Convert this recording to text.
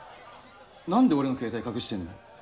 なんで俺の携帯隠してんの？